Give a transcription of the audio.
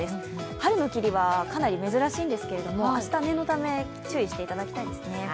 春の霧はかなり珍しいんですけど、明日、念のため注意していただきたいですね。